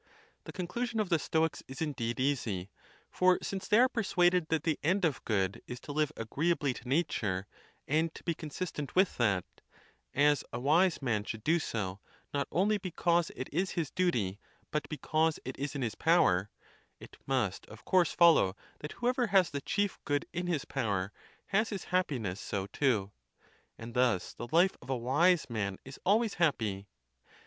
The conclusion of the Stoics is indeed easy; for since they are persuaded that the end of good is to live agreeably to nature, and to be consistent with that —as a wise man should do so, not only because it is his duty, but because it is in his power—it must, of course, follow that whoever has the chief good in his power has his happiness so too. And thus the life of a wise man is always happy.